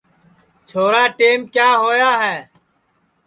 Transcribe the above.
چھورا ٹیم کیا ہوا ہے